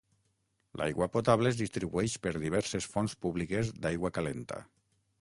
L'aigua potable es distribueix per diverses fonts públiques d'aigua calenta.